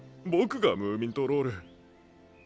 僕がムーミントロール。